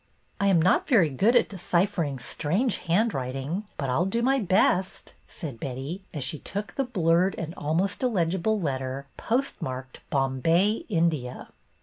" I am not very good at deciphering strange handwriting, but I 'll do my best," said Betty, as she took the blurred and almost illegible letter, postmarked Bombay, India.